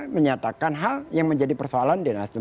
menyatakan hal yang menjadi persoalan di nasdem